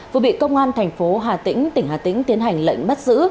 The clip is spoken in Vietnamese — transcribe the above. vừa bị công an thành phố hà tĩnh tỉnh hà tĩnh tiến hành lệnh bắt giữ